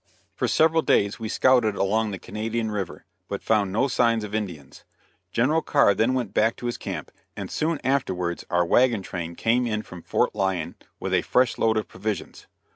For several days we scouted along the Canadian River, but found no signs of Indians. General Carr then went back to his camp, and soon afterwards our wagon train came in from Fort Lyon with a fresh load of provisions.